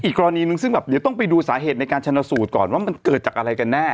กรณีหนึ่งซึ่งแบบเดี๋ยวต้องไปดูสาเหตุในการชนสูตรก่อนว่ามันเกิดจากอะไรกันแน่